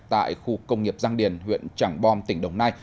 tại khu công nghiệp giang điền huyện trảng bom tỉnh đồng nai